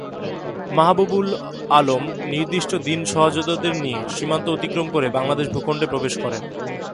মাহবুব-উল-আলম নির্দিষ্ট দিন সহযোদ্ধাদের নিয়ে সীমান্ত অতিক্রম করে বাংলাদেশ ভূখণ্ডে প্রবেশ করেন।